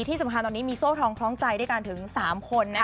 ที่สำคัญตอนนี้มีโซ่ทองคล้องใจด้วยกันถึง๓คน